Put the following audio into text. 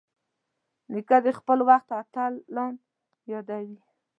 نیکه د خپل وخت اتلان یادوي.